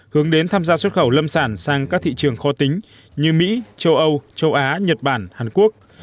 hướng đến tham gia xuất khẩu lâm sản sang các thị trường khó tính như mỹ châu âu châu á nhật bản hàn quốc